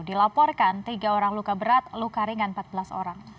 dilaporkan tiga orang luka berat luka ringan empat belas orang